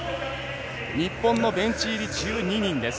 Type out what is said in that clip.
日本のベンチ入り１２人です。